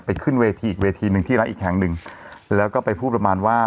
ขึ้นเวทีอีกเวทีหนึ่งที่ร้านอีกแห่งหนึ่งแล้วก็ไปพูดประมาณว่า